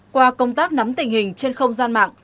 qua công tác nắm tình hình trên không gian mạng